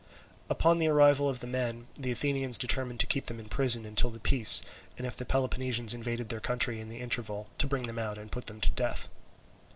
Upon the arrival of the men the Athenians determined to keep them in prison until the peace, and if the Peloponnesians invaded their country in the interval, to bring them out and put them to death.